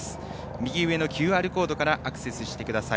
右上のＱＲコードからアクセスしてください。